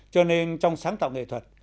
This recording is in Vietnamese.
cho nên trong sáng tạo nghệ thuật